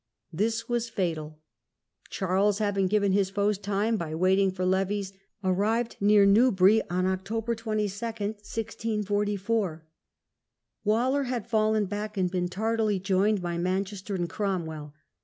This was fatal. Charles, having given his foes time by waiting for levies, arrived near Newbury on October 22, 1644. Waller had fallen back and been tardily joined by Manchester and Cromwell.